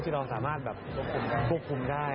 ที่เราสามารถควบคุมได้